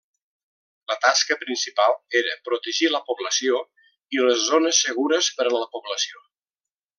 La tasca principal era protegir la població i les zones segures per a la població.